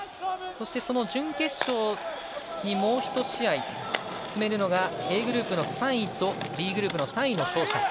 そして、その準決勝にもうひと試合進めるのがＡグループの３位とＢグループの３位。